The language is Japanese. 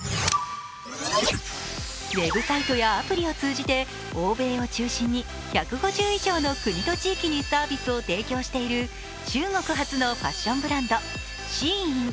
ウェブサイトやアプリをを通じて欧米を中心に１５０以上の国と地域にサービスを提供している中国発のファッションブランド、ＳＨＥＩＮ。